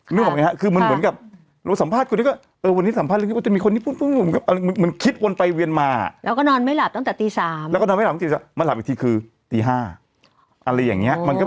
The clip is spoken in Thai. นึกออกไหมฮะคือมันเหมือนกับ